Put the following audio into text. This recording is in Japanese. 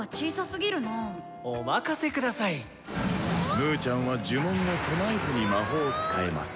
「ムーちゃんは呪文を唱えずに魔法を使えます。